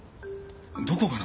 「どこかな？